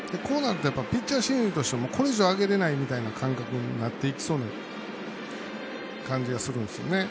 こうなるとピッチャー心理としてもこれ以上、あげれないという感覚になっていきそうな感じがするので。